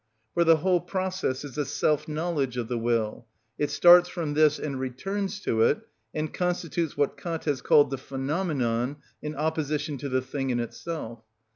For the whole process is the self knowledge of the will; it starts from this and returns to it, and constitutes what Kant has called the phenomenon in opposition to the thing in itself.